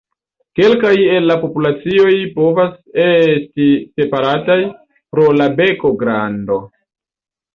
Kelkaj el la populacioj povas esti separataj pro la beko grando.